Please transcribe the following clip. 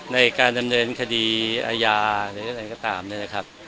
ในการดำเนินคดีอาญาหรืออะไรก็ตามเนี่ยนะครับ